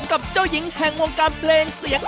กับเจ้าหญิงแห่งวงการเพลงเสียง